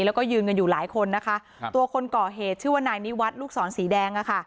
แล้วก็ยืนกันอยู่หลายคนนะคะครับตัวคนก่อเหตุชื่อว่านายนิวัตรลูกศรสีแดงอะค่ะ